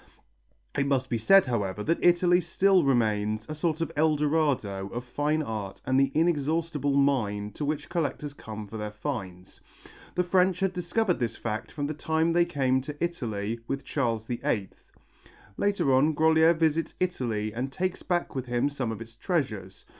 It must be said, however, that Italy still remains a sort of El Dorado of fine art and the inexhaustible mine to which collectors come for their finds. The French had discovered this fact from the time they came to Italy with Charles VIII. Later on Grolier visits Italy and takes back with him some of its treasures.